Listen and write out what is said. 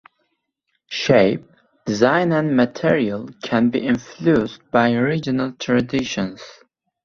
Shape, design and material can be influenced by regional traditions.